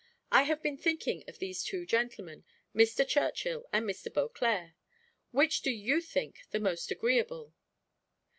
I have been thinking of these two gentlemen, Mr. Churchill and Mr. Beauclerc which do you think the most agreeable?"